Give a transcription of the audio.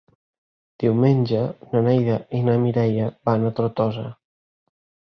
Diumenge na Neida i na Mireia van a Tortosa.